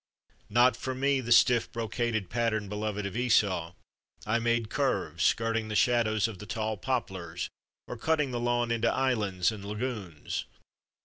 Not for me the stiff brocaded pattern beloved of Esau ; I made curves, skirting the shadows of the tall poplars or cutting the lawn into islands and lagoons.